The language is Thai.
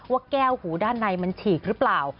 ว่าแก้วหูด้านในมันฉีกหรือเปล่า